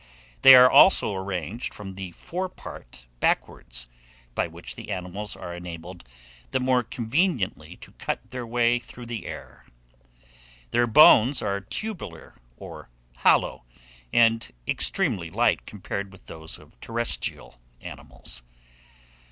They are also arranged from the fore part backwards; by which the animals are enabled the more conveniently to cut their way through the air. Their bones are tubular or hollow, and extremely light compared with those of terrestrial animals.